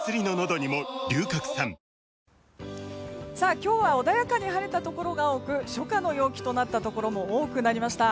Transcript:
今日は穏やかに晴れたところが多く初夏の陽気となったところも多くなりました。